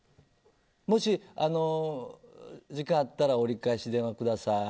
もし時間あったら折り返し電話ください。